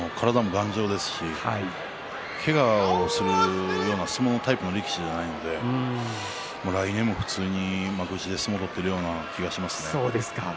体も頑丈ですしけがをするような相撲のタイプの力士ではないので来年も普通に幕内で相撲を取っているような気がしますね。